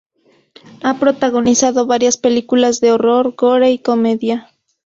Ha protagonizado varias películas de horror, gore y comedia.